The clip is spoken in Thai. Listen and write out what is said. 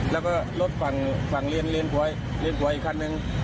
แล้วก็รถฝั่งฝั่งเลี้ยนเลี้ยนเลี้ยนตัวอีกคันหนึ่ง